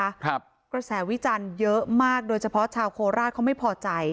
กระแสวิจารณ์เยอะมากโดยเฉพาะชาวโคราชเขาไม่พอใจ